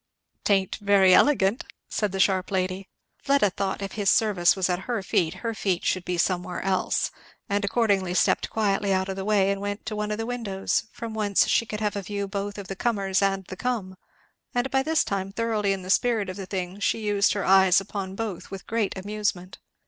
"'Tain't very elegant," said the sharp lady. Fleda thought if his service was at her feet, her feet should be somewhere else, and accordingly stepped quietly out of the way and went to one of the windows, from whence she could have a view both of the comers and the come; and by this time thoroughly in the spirit of the thing she used her eyes upon both with great amusement.